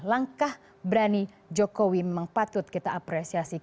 langkah berani jokowi memang patut kita apresiasi